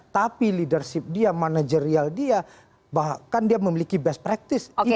tapi leadership dia manajerial dia bahkan dia memiliki best practice